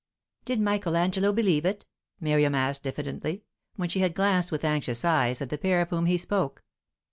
"Did Michael Angelo believe it?" Miriam asked diffidently, when she had glanced with anxious eyes at the pair of whom he spoke.